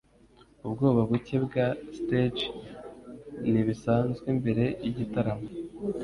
Ubwoba buke bwa stage nibisanzwe mbere yigitaramo.